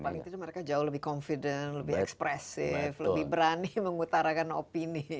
paling tidak mereka jauh lebih confident lebih ekspresif lebih berani mengutarakan opini